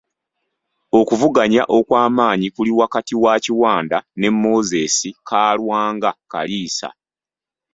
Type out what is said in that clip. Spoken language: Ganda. Okuvuganya okwamanyi kuli wakati wa Kiwanda ne Moses Kalwanga Kaliisa.